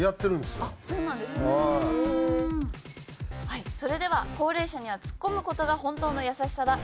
はいそれでは「高齢者にはツッコむことが本当の優しさだ！」